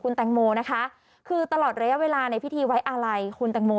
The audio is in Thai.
แตงโมนะคะคือตลอดระยะเวลาในพิธีไว้อาลัยคุณแตงโม